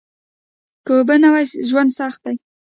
که اوبه نه وي ژوند سخت دي